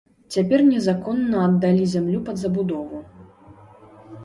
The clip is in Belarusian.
Цяпер незаконна аддалі зямлю пад забудову.